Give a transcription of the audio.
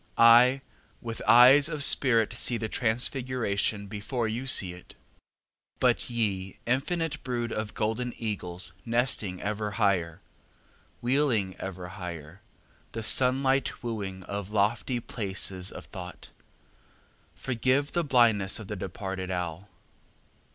I with eyes of spirit see the Transfiguration Before you see it. But ye infinite brood of golden eagles nesting ever higher, Wheeling ever higher, the sun light wooing Of lofty places of Thought, Forgive the blindness of the departed owl.